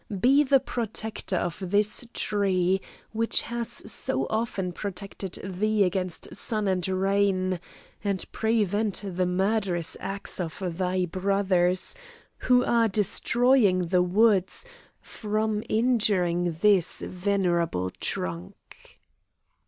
Be the protector of this tree, which has so often protected thee against sun and rain, and prevent the murderous axe of thy brothers, who are destroying the woods, from injuring this venerable trunk."